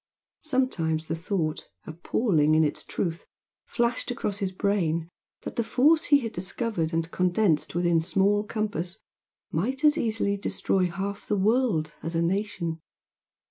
Sometimes the thought, appalling in its truth, flashed across his brain that the force he had discovered and condensed within small compass might as easily destroy half the world as a nation!